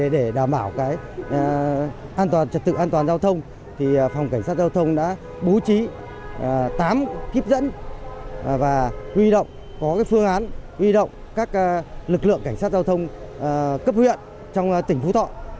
đền hùng đã bố trí tám kíp dẫn và huy động có phương án huy động các lực lượng cảnh sát giao thông cấp huyện trong tỉnh phú thọ